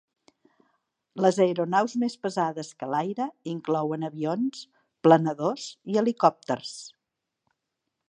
Les aeronaus més pesades que l'aire inclouen avions, planadors i helicòpters.